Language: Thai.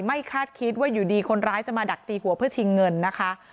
คาดคิดว่าอยู่ดีคนร้ายจะมาดักตีหัวเพื่อชิงเงินนะคะ